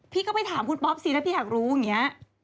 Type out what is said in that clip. พี่ก็ไปถามคุณป๊อปสิถ้าพี่อยากรู้อย่างนี้